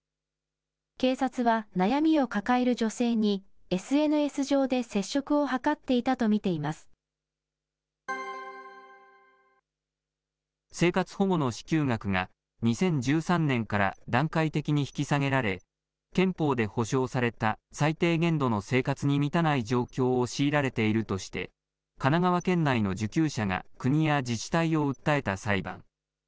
警察は悩みを抱える女性にＳＮＳ上で接触を図っていたと見ていま生活保護の支給額が、２０１３年から段階的に引き下げられ、憲法で保障された最低限度の生活に満たない状況を強いられているとして、神奈川県内の受給者が、国や自治体を訴えた裁判。